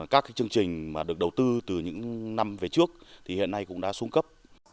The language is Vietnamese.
các chương trình mà được đầu tư từ những năm về trước thì hiện nay cũng đã xuống cấp